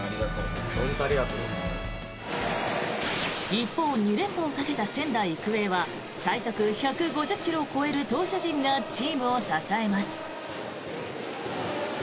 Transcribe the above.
一方、２連覇をかけた仙台育英は最速１５０ｋｍを超える投手陣がチームを支えます。